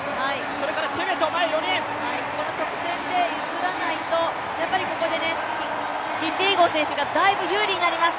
この直線で譲らないと、やっぱりここでキピエゴン選手がだいぶ有利になります。